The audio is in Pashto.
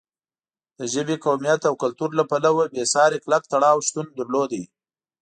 د ژبې، قومیت او کلتور له پلوه بېساری کلک تړاو شتون درلود.